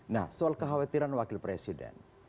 nah soal kekhawatiran wakil presiden